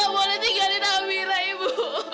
ibu ga boleh tinggalin amira ibu